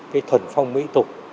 cái thuận phong mỹ tục